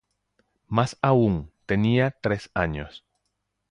Mas aún tenía tres años.